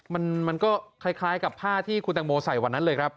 มันก็คล้ายกับผ้าที่คุณตังโมใส่วันนั้นเลยครับ